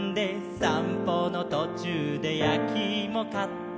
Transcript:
「さんぽのとちゅうでやきいも買って」